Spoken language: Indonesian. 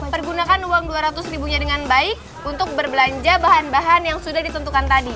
pergunakan uang dua ratus ribunya dengan baik untuk berbelanja bahan bahan yang sudah ditentukan tadi